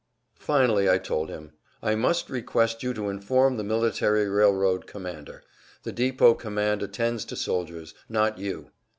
Finally I told him, "I must request you to inform the military railroad commander; the depot command attends to soldiers, not you."